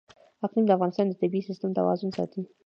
اقلیم د افغانستان د طبعي سیسټم توازن ساتي.